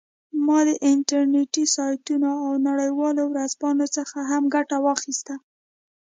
ما د انټرنیټي سایټونو او نړیوالو ورځپاڼو څخه هم ګټه واخیسته